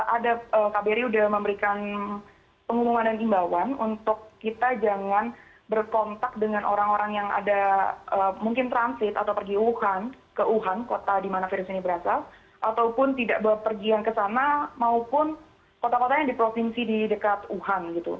ada kbri sudah memberikan pengumuman dan imbauan untuk kita jangan berkontak dengan orang orang yang ada mungkin transit atau pergi wuhan ke wuhan kota di mana virus ini berasal ataupun tidak berpergian ke sana maupun kota kota yang di provinsi di dekat wuhan gitu